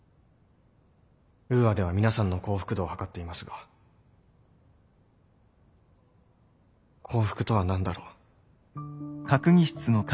ウーアでは皆さんの幸福度をはかっていますが幸福とは何だろう。